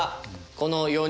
この４人。